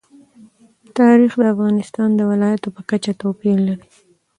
تاریخ د افغانستان د ولایاتو په کچه توپیر لري.